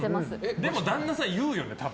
でも旦那さん言うよね、多分。